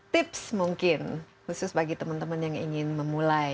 tips mungkin khusus bagi teman teman yang ingin memulai